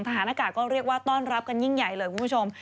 ทหารอากาศก็เรียกว่าต้อนรับกันยิ่งใหญ่เลยคุณผู้ชม